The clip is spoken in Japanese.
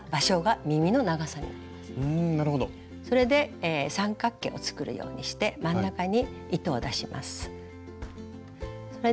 それで三角形を作るようにして真ん中に糸を出します。